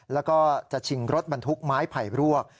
แล้วก็จะชิงรถบรรทุกไม้ไผ่รวก